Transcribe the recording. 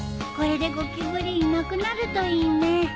これでゴキブリいなくなるといいね。